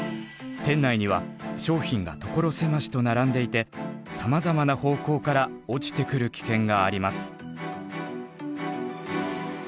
店内には商品が所狭しと並んでいてさまざまな方向から落ちてくる危険があります。